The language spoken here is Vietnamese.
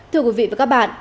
thưa quý vị và các bạn